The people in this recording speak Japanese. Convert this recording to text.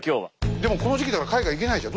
でもこの時期だから海外行けないじゃん。